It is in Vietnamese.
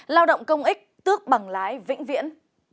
lao động công ích tước bằng lái vĩnh viễn